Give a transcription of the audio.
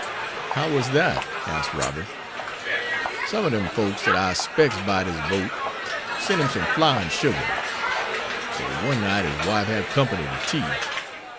"How was that?" asked Robert. "Some ob dem folks, dat I 'spects buyed his wote, sent him some flour an' sugar. So one night his wife hab company ter tea.